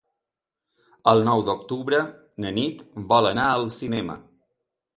El nou d'octubre na Nit vol anar al cinema.